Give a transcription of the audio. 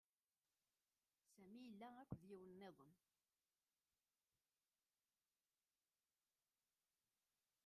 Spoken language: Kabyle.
Sami yella akked yiwet nniḍen.